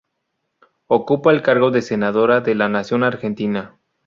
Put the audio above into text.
Ocupa el cargo de senadora de la Nación Argentina.